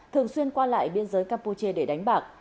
thường xuyên qua lại biên giới campuchia để đánh bạc